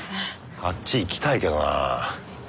あっち行きたいけどな。